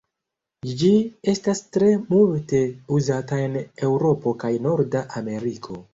Ĝi estas tre multe uzata en Eŭropo kaj Norda Ameriko.